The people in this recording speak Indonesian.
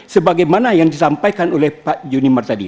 sebagaimana yang disampaikan oleh pak junimar tadi